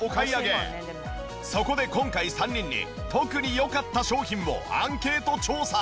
そこで今回３人に特に良かった商品をアンケート調査。